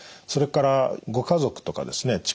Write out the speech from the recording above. それからご家族とかですね